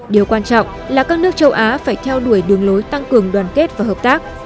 điều quan trọng là các nước châu á phải theo đuổi đường lối tăng cường đoàn kết và hợp tác